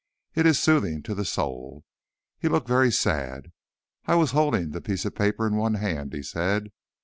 It is soothing to the soul." He looked very sad. "I was holding the piece of paper in one hand," he said.